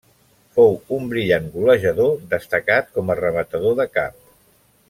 Fou un brillant golejador, destacat com a rematador de cap.